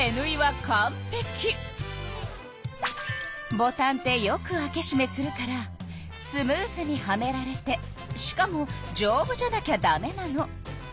ボタンってよく開けしめするからスムーズにはめられてしかもじょうぶじゃなきゃダメなの。